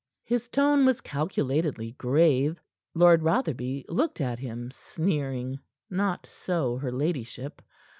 His tone was calculatedly grave. Lord Rotherby looked at him, sneering; not so her ladyship.